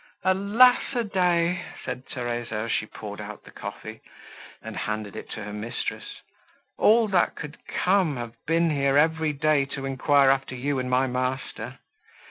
"Alas a day!" said Theresa, as she poured out the coffee, and handed it to her mistress, "all that could come, have been here every day to enquire after you and my master."